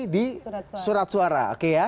di surat suara